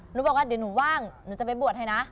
หนูบอกว่าเดี๋ยวหนูว่างหนูจะไปบวชให้นะ